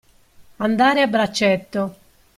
Andare a braccetto.